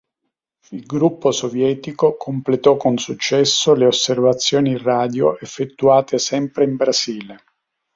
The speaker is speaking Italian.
Il gruppo sovietico completò con successo le osservazioni radio effettuate sempre in Brasile.